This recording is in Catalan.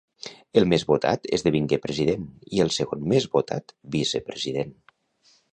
El més votat esdevingué president i el segon més votat, vicepresident.